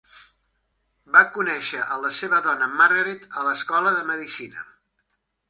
Va conèixer a la seva dona, Margaret, a l'escola de Medicina.